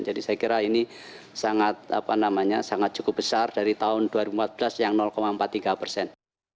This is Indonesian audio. jadi saya kira ini sangat cukup besar dari tahun dua ribu empat belas yang empat puluh tiga persen